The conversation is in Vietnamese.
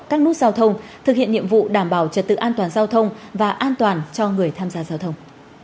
các nút giao thông thực hiện nhiệm vụ đảm bảo trật tự an toàn giao thông và an toàn cho người tham gia giao thông